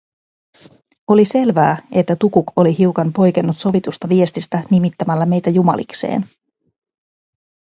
Oli selvää, että Tukuk oli hiukan poikennut sovitusta viestistä nimittämällä meitä jumalikseen.